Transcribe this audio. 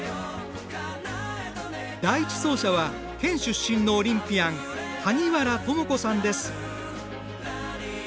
第１走者は県出身のオリンピアン萩原智子さんです。